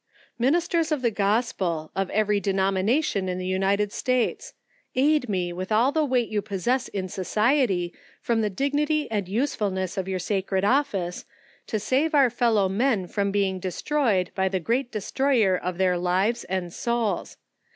Ministers of the gospel, of every denomination in the United States ! aid me with all the weight you possess in soeiety, from the dignity and usefidness of your sacred office, to save our fellow men from being destroyed by the great destroyer of their lives and souls.